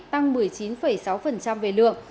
tăng một mươi chín sáu về lượng